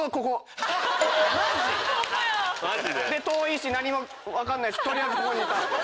遠いし何も分かんないし取りあえずここにいた。